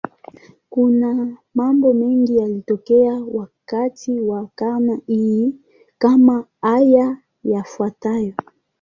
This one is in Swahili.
Kuna mambo mengi yaliyotokea wakati wa karne hii, kama haya yafuatayo.